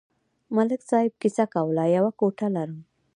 ملک صاحب کیسه کوله: یوه کوټه لرم.